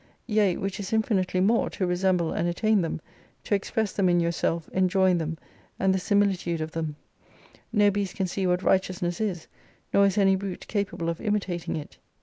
Yea. which is Tnf nitely more, to resemble and attain them to express them in yourself, enjoying them and the similitude of them No beast can see what righteousness is : nor is any brute capable of imitating it.